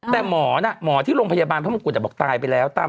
แต่หมอที่ลงพยาบาลเขาจะบอกตายไปแล้ว